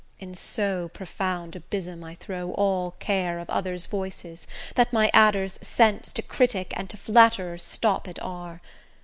In so profound abysm I throw all care Of others' voices, that my adder's sense To critic and to flatterer stopped are.